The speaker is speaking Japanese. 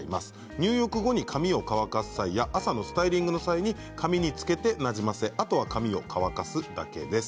入浴後に髪を乾かす際や朝のスタイリングの際に髪につけて、なじませあとは髪を乾かすだけです。